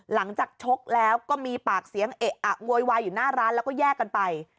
ชกแล้วก็มีปากเสียงเอะอะโวยวายอยู่หน้าร้านแล้วก็แยกกันไป